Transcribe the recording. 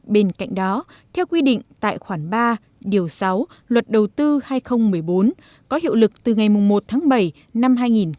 bên cạnh đó theo quy định tại khoản ba điều sáu luật đầu tư hai nghìn một mươi bốn có hiệu lực từ ngày một tháng bảy năm hai nghìn một mươi chín